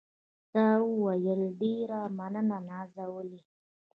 تا وویل: ډېره مننه نازولې.